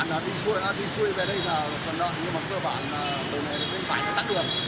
cơ bản là đi xuôi đi xuôi về đây là phần đoạn nhưng mà cơ bản là đường này bên phải nó tắt đường